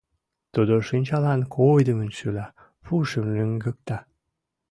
Тудо шинчалан койдымын шӱла, пушым лӱҥгыкта.